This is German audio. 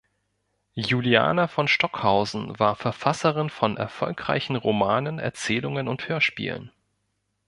Juliana von Stockhausen war Verfasserin von erfolgreichen Romanen, Erzählungen und Hörspielen.